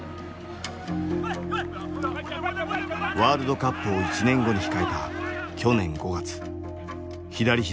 ワールドカップを１年後に控えた去年５月。